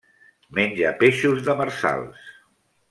Menja peixos demersals.